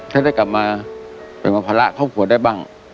จะได้กลับมาเป็นบางภาระเข้าหัวได้บ้าง